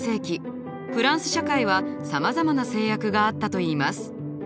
フランス社会はさまざまな制約があったといいます。